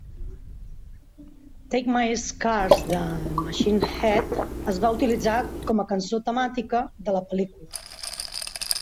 "Take My Scars" de Machine Head es va utilitzar com a cançó temàtica de la pel·lícula.